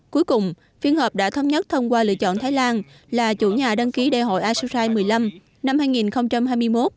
cuối cùng phiên họp đã thống nhất thông qua lựa chọn thái lan là chủ nhà đăng ký đại hội asosai một mươi năm năm hai nghìn hai mươi một